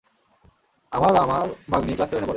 আমার আমার ভাগ্নী, ক্লাস সেভেনে পড়ে।